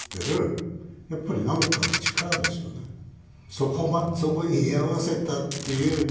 それはそこに居合わせたっていう。